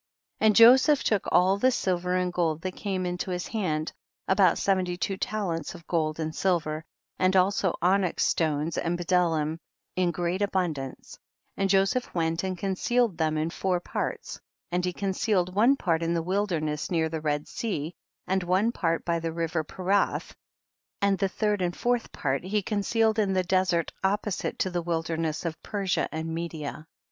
31. And Joseph took of all the sil ver and gold that came into his hand, about seventy two talents of gold and silver, and also onyx stones and bdellium in great abundance, and Joi^eph went and concealed them in four parts, and he concealed one part in the wilderness near the Red sea, and one part by the river Perath, and the third and fourth part he con cealed in the desert opposite to the wilderness of Persia and Media.